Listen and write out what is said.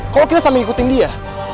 kalau kita sambil ikutin dia